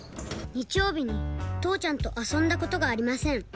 「日曜日に父ちゃんと遊んだことがありません」